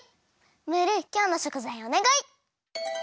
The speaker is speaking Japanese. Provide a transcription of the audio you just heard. ムールきょうのしょくざいをおねがい！